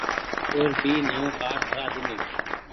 او ر ڀي نئو ڪآرڊ ٺرآ ۮينو۔